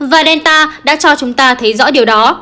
và delta đã cho chúng ta thấy rõ điều đó